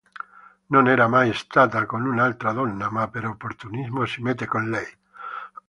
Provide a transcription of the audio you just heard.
Non era mai stata con un'altra donna, ma per opportunismo si mette con lei.